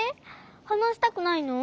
はなしたくないの？